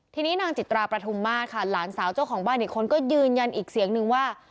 ทีนี้นางจิตราประทุมมาตรค่ะหลานสาวเจ้าของบ้านอีกคนก็ยืนยันอีกเสียงนึงว่า